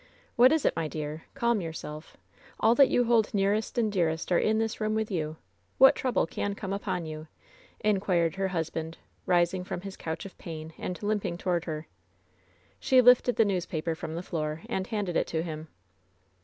"What is it, my dear? Calm yourself! All that you hold nearest and dearest are in this room with you. What trouble can come upon you?'' inquired her hus band, rising from his couch of pain and limping toward her. She lifted the newspaper from the floor and handed it to him.